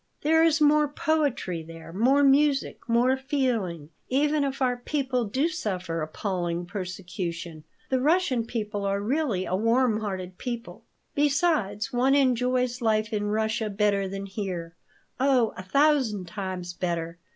There is more poetry there, more music, more feeling, even if our people do suffer appalling persecution. The Russian people are really a warm hearted people. Besides, one enjoys life in Russia better than here. Oh, a thousand times better.